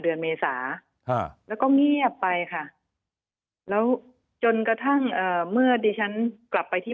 เมษาแล้วก็เงียบไปค่ะแล้วจนกระทั่งเอ่อเมื่อดิฉันกลับไปที่